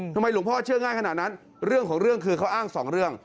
หลวงพ่อเชื่อง่ายขนาดนั้นเรื่องของเรื่องคือเขาอ้างสองเรื่อง